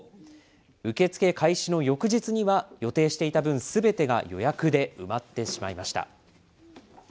受け付け開始の翌日には、予定していた分、すべてが予約で埋まってしまいました。